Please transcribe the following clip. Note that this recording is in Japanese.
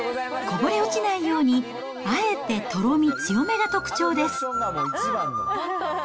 こぼれ落ちないように、あえてとろみ強めが特徴です。